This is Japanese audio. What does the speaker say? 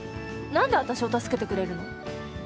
何で私を助けてくれるの？